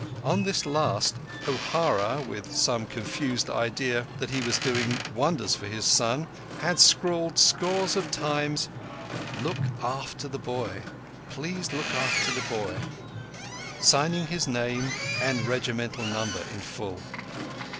On this last O'Hara—with some confused idea that he was doing wonders for his son—had scrawled scores of times: "Look after the boy. Please look after the boy"—signing his name and regimental number in full.